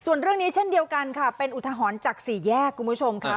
ส่วนเรื่องนี้เช่นเดียวกันค่ะเป็นอุทหรณ์จากสี่แยกคุณผู้ชมค่ะ